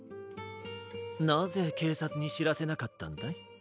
なぜけいさつにしらせなかったんだい？